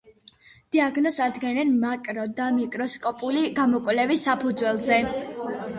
დიაგნოზს ადგენენ მაკრო და მიკროსკოპული გამოკვლევის საფუძველზე.